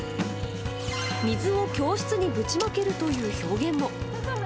水を教室にぶちまけるという表現も。